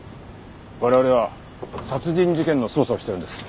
我々は殺人事件の捜査をしてるんです。